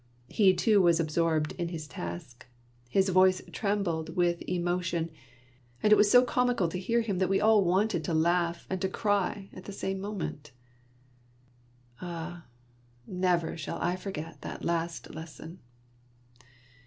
He too was ab sorbed in his task ; his voice trembled with emo tion, and it was so comical to hear him that we all wanted to laugh and to cry at the same moment. jMJT never shall I forget that last lesson